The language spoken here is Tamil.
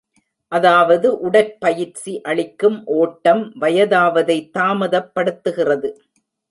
அதாவது உடற் பயிற்சி அளிக்கும் ஒட்டம், வயதாவதை தாமதப்படுத்துகிறது.